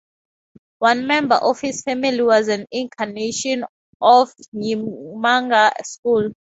One member of his family was an incarnation of Nyingma school.